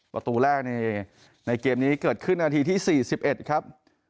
ประตูแรกในเกมนี้เกิดขึ้นนาทีที่๔๑ครับ